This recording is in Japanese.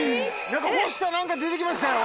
何か干した何か出て来ましたよ。